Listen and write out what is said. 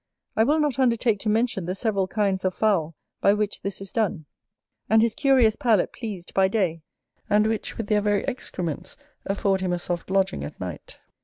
I will not undertake to mention the several kinds of Fowl by which this is done: and his curious palate pleased by day, and which with their very excrements afford him a soft lodging at night.